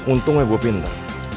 untungnya gua pinter